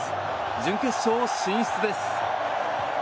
準決勝進出です。